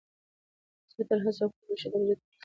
زه تل هڅه کوم، چي ښه درجه ترلاسه کم.